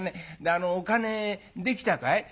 あのお金できたかい？」。